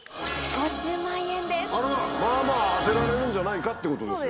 あららまぁまぁ当てられるんじゃないかってことですよ。